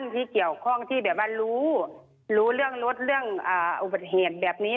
ที่เกี่ยวข้องที่แบบว่ารู้รู้เรื่องรถเรื่องอุบัติเหตุแบบนี้